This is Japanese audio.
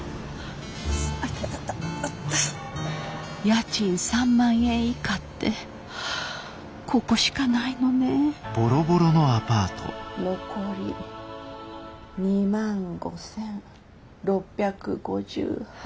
家賃３万円以下ってここしかないのね残り２万５，６５８円。